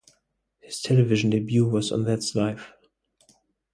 His television debut was on That's Life!